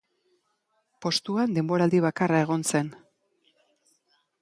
Postuan denboraldi bakarra egon zen.